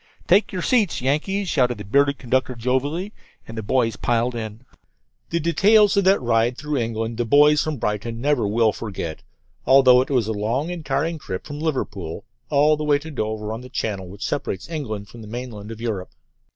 "Take your seats, Yankees!" shouted the bearded conductor jovially, and the boys piled in. The details of that ride through England the boys from Brighton never will forget, although it was a long and tiring trip from Liverpool all the way to Dover, on the channel which separates England from the mainland of Europe.